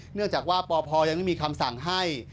เนื่องจากว่าปพยังไม่มีคำสั่งให้